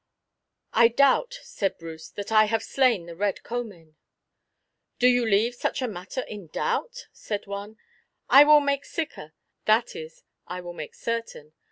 "I doubt," said Bruce, "that I have slain the Red Comyn." "Do you leave such a matter in doubt?" said one, "I will make sicker!" that is, I will make certain.